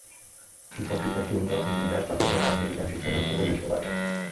শিক্ষক, শিক্ষার্থী, অভিভাবক, নীতিনির্ধারক—সব পর্যায়ে কাজ হলে বিজ্ঞানশিক্ষায় ভবিষ্যতে এগিয়ে যেতে পারব।